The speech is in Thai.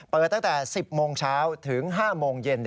ตั้งแต่๑๐โมงเช้าถึง๕โมงเย็น